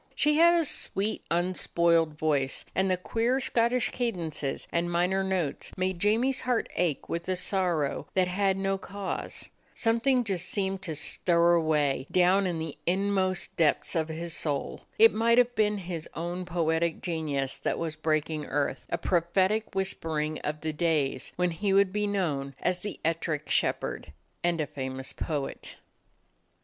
She had a sweet, unspoiled voice, and the queer Scottish cadences and minor notes made Jamie's heart ache with a sorrow that had no cause. Something just seemed 65 DOG HEROES OF MANY LANDS to stir away down in the inmost depths of his soul. It might have been his own poetic ge nius that was breaking earth; a prophetic whispering of the days when he would be known as the "Ettrick Shepherd" and a fa mous poet.